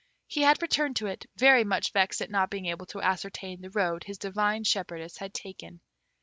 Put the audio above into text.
He had returned to it, very much vexed at not being able to ascertain the road his divine shepherdess had taken.